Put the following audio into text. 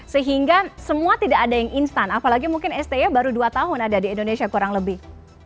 sehingga semua tidak ada yang instan apalagi mungkin sti baru dua tahun ada di indonesia kurang lebih